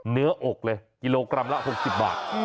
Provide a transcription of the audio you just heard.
เนื้ออกเลยกิโลกรัมละ๖๐บาท